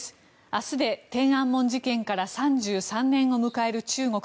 明日で天安門事件から３３年を迎える中国。